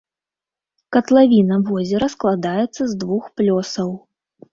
Катлавіна возера складаецца з двух плёсаў.